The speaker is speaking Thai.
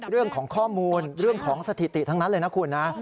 เรื่องของข้อมูลเรื่องของสถิติทั้งนั้นเลยนะคุณนะ